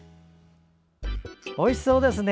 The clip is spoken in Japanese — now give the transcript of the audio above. おいしそうですね。